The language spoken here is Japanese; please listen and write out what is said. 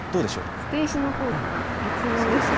捨て石の効果が抜群ですね。